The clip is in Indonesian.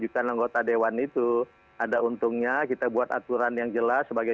hai kita buat aturan yang jelas sebagai